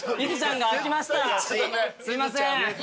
すいません。